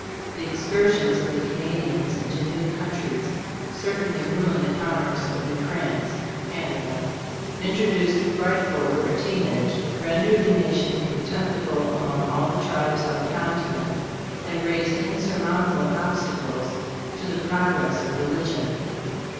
The excursions of the Canadians into new countries certainly ruined the commerce of New France [Canada] ; introduced frightful libertinage; rendered the nation contemptible among all the tribes on the continent, and raised insurmounta ble obstacles to the progress of religion."